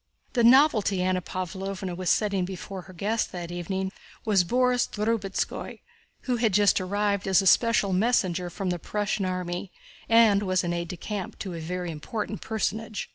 The novelty Anna Pávlovna was setting before her guests that evening was Borís Drubetskóy, who had just arrived as a special messenger from the Prussian army and was aide de camp to a very important personage.